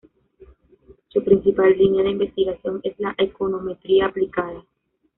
Su principal línea de investigación es la Econometría aplicada.